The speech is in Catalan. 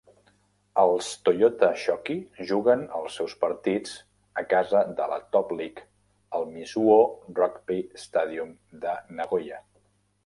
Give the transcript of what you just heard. Els Toyota Shokki juguen els seus partits a casa de la Top League al Mizuho Rugby Stadium de Nagoya.